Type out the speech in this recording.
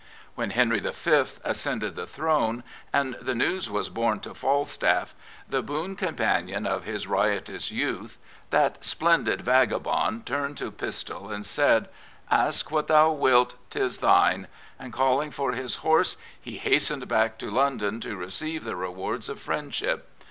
When Henry V. ascended the throne, and the news was borne to Falstaff, the boon companion of his riotous youth, that splendid vagabond turned to Pistol and said, "Ask what thou wilt: 'tis thine," and, calling for his horse, he hastened back to London to receive the rewards of friendship.